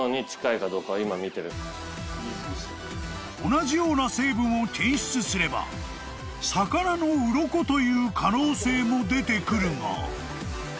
［同じような成分を検出すれば魚の鱗という可能性も出てくるが］